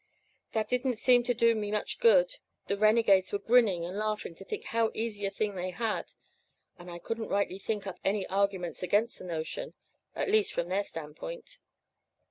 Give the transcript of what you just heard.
"That didn't seem to do me much good. The renegades were grinning and laughing to think how easy a thing they had; and I couldn't rightly think up any arguments against the notion at least from their standpoint.